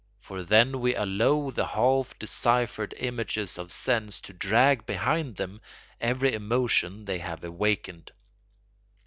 For then we allow the half deciphered images of sense to drag behind them every emotion they have awakened.